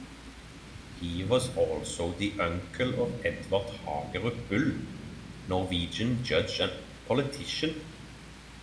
He was also the uncle of Edvard Hagerup Bull, Norwegian judge and politician.